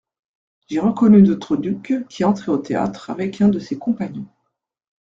J'ai reconnu notre duc qui entrait au théâtre avec un de ses compagnons.